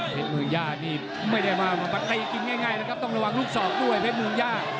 เมืองย่านี่ไม่ได้มาตีกินง่ายนะครับต้องระวังลูกศอกด้วยเพชรเมืองย่า